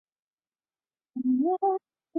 惠侨英文中学一直实行全方位的校本管理。